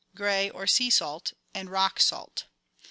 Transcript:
grey, or sea salt, and rock salt.